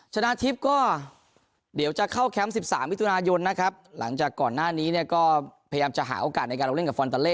ชนะทิพย์ก็เดี๋ยวจะเข้าแคมป์๑๓วิทยุนายนนะครับหลังจากก่อนหน้านี้เนี่ยก็พยายามจะหาโอกาสในการลงเล่นกับฟอนตาเล